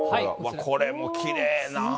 これもきれいなぁ。